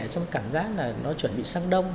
trong cảm giác là nó chuẩn bị sang đông